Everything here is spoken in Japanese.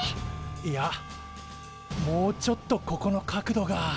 いやもうちょっとここの角度が。